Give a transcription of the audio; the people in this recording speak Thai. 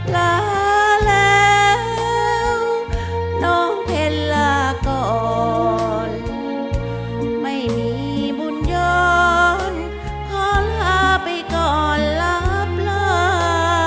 ลาแล้วน้องเพ็ญลาก่อนไม่มีบุญย้อนขอลาไปก่อนรับลา